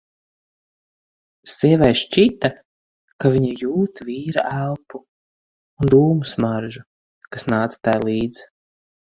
Sievai šķita, ka viņa jūt vīra elpu un dūmu smaržu, kas nāca tai līdz.